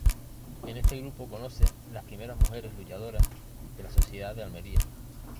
En este grupo conoce las primera mujeres luchadoras de la sociedad de Almería.